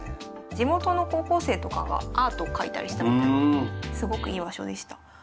地元の高校生とかがアートを描いたりしたみたいですごくいい場所でした。